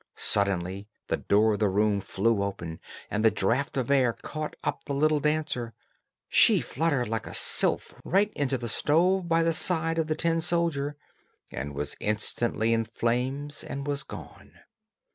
Suddenly the door of the room flew open and the draught of air caught up the little dancer, she fluttered like a sylph right into the stove by the side of the tin soldier, and was instantly in flames and was gone.